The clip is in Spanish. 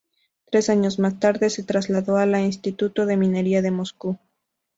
Tres años más tarde, se trasladó a la Instituto de Minería de Moscú.